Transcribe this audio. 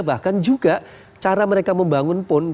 bahkan juga cara mereka membangun pun